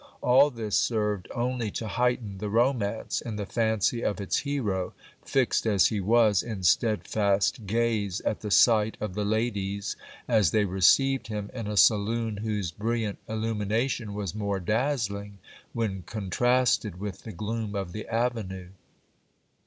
All this served only to heighten the romance in the fancy of its hero, fixed as he was in steadfast gaze at the sight of the ladies as they received him in a saloon whose brilliant illumination was more dazzling, when contrasted with the gloom of the avenue.